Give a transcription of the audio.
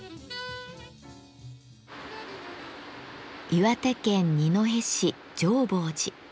岩手県二戸市浄法寺。